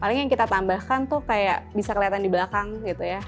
paling yang kita tambahkan tuh kayak bisa kelihatan di belakang gitu ya